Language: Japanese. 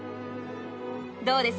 どうです？